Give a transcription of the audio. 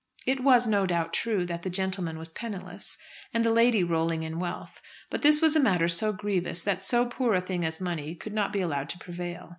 It was, no doubt, true that the gentleman was penniless and the lady rolling in wealth; but this was a matter so grievous that so poor a thing as money could not be allowed to prevail.